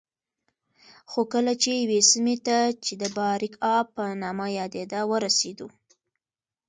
خو کله چې یوې سیمې ته چې د باریکآب په نامه یادېده ورسېدو